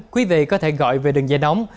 quý vị có thể gọi về đường dây nóng